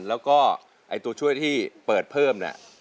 แล้วก็ไอ้ตัวช่วยที่เปิดเพิ่มเนี่ย